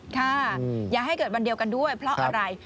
อย่าให้เกิดวันเดียวกันด้วยเพราะอะไร